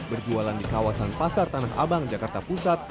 berjualan di kawasan pasar tanah abang jakarta pusat